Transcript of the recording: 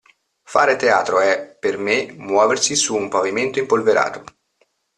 Fare teatro è, per me, muoversi su un pavimento impolverato.